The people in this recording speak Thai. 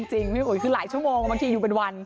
จริงพี่อุ๋ยคือหลายชั่วโมงบางทีอยู่เป็นวัน